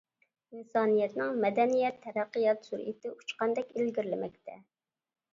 ئىنسانىيەتنىڭ مەدەنىيەت تەرەققىيات سۈرئىتى ئۇچقاندەك ئىلگىرىلىمەكتە.